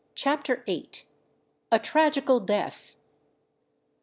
CHAPTER VIII. A TRAGICAL DEATH.